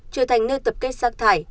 trở thành nơi tập kết rác thải